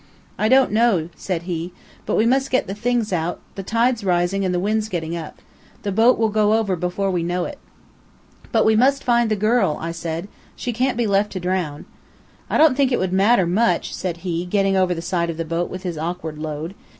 "I don't know," said he, "but we must get the things out. The tide's rising and the wind's getting up. The boat will go over before we know it." "But we must find the girl," I said. "She can't be left to drown." "I don't think it would matter much," said he, getting over the side of the boat with his awkward load.